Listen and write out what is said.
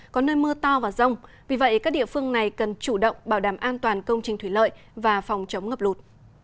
có nơi mưa to và rông vì vậy các địa phương này cần chủ động bảo đảm an toàn công trình thủy lợi và phòng chống ngập lụt